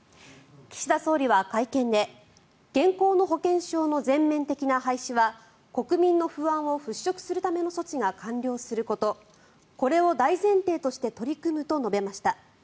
岸田総理は会見で現行の保険証の全面的な廃止は国民の不安を払しょくするための措置が完了することこれを大前提として取り組むと述べました。